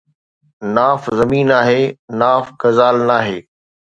ناف زمين آهي، ناف غزال ناهي